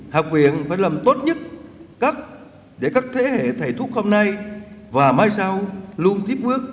học viện phải làm tốt nhất cách để các thế hệ thầy thuốc hôm nay và mai sau luôn tiếp bước